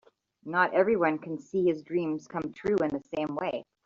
Not everyone can see his dreams come true in the same way.